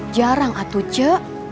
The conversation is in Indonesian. jarang atuh ce